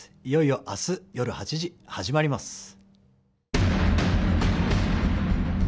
いよいよ、あす夜８時始まります。